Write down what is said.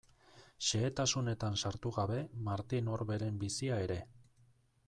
Xehetasunetan sartu gabe Martin Orberen bizia ere.